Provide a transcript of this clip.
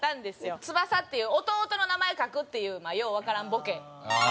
つばさっていう弟の名前書くっていうまあようわからんボケ。